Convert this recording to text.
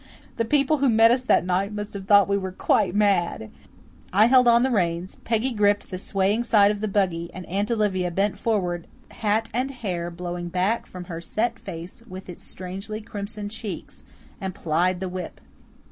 The people who met us that night must have thought we were quite mad. I held on the reins, Peggy gripped the swaying side of the buggy, and Aunt Olivia bent forward, hat and hair blowing back from her set face with its strangely crimson cheeks, and plied the whip.